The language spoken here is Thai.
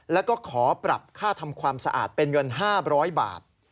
แล้วก็ขอปรับค่าทำความสะอาดเป็นเงิน๕๐๐บาท